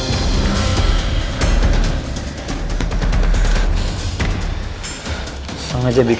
membentuk ada parah di dalam